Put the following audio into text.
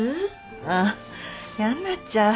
ああ嫌んなっちゃう